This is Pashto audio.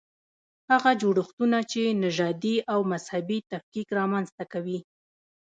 هغه جوړښتونه چې نژادي او مذهبي تفکیک رامنځته کوي.